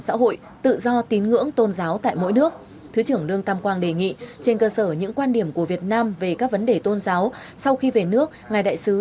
xã hội tự do tín ngưỡng tôn giáo tại mỗi nước thứ trưởng lương tam quang đề nghị trên cơ sở những